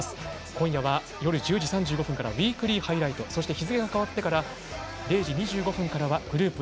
今夜は夜１０時３５分から「ウイークリーハイライト」そして日付が変わってから０時２５分からはグループＦ